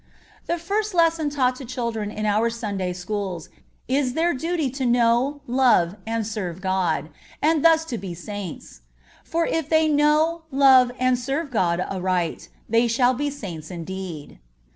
(37) The first lesson taught to children in our Sunday schools is their duty to know, love and serve God, and thus to be Saints; for if they know, love and serve God aright they shall be Saints indeed.